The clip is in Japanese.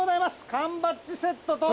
缶バッジセットと。